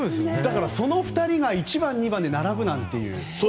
その２人が１番、２番で並ぶなんていう。